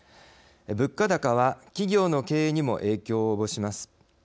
物価高は、企業の経営にも影響を及ぼします。